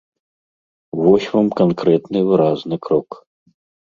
Вось вам канкрэтны выразны крок!